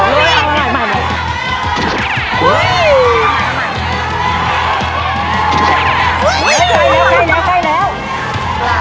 เยี่ยมมาก